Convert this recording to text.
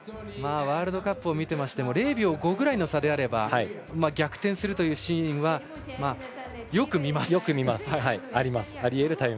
ワールドカップを見ていましても０秒５ぐらいの差であれば逆転するというシーンはよく見ます。